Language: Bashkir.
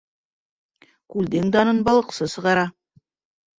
Күлдең данын балыҡсы сығара